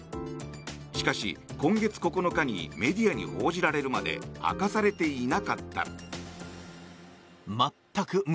しかし、今月９日にメディアに報じられるまで明かされていなかった。